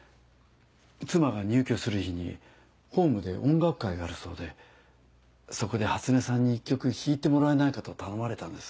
妻が入居する日にホームで音楽会があるそうでそこで初音さんに１曲弾いてもらえないかと頼まれたんです。